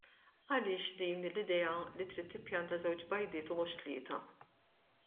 Għaliex din l-idea li trid tippjanta żewġ bajdiet u mhux tlieta?